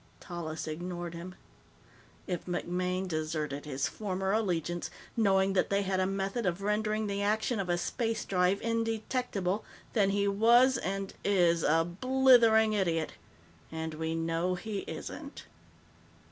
Tallis ignored him. "If MacMaine deserted his former allegiance, knowing that they had a method of rendering the action of a space drive indetectable, then he was and is a blithering idiot. And we know he isn't."